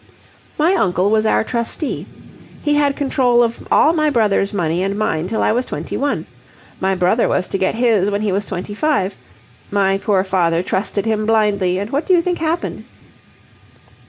"My uncle was our trustee. He had control of all my brother's money and mine till I was twenty one. My brother was to get his when he was twenty five. My poor father trusted him blindly, and what do you think happened?"